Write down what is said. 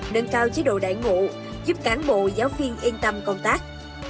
nâng cao chế độ đại ngộ giúp cán bộ giáo viên yên tâm công tác